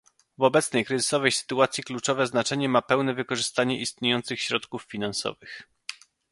W obecnej kryzysowej sytuacji kluczowe znaczenie ma pełne wykorzystanie istniejących środków finansowych